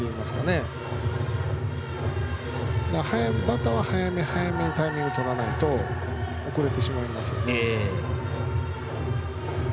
バッターは早め早めにタイミングを取らないと遅れてしまいます。